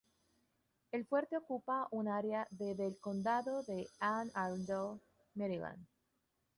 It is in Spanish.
El fuerte ocupa un área de del Condado de Anne Arundel, Maryland.